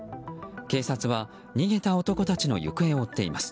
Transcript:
警察は逃げた男たちの行方を追っています。